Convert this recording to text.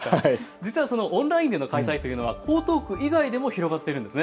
実はそのオンラインでの大会は江東区以外でも広がっているんです。